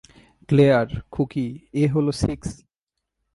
Claire, খুকি, এ হলো সিক্স।